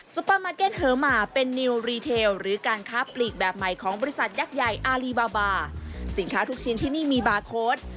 สินค้าทุกชิ้นที่นี่มีบาร์โค้ด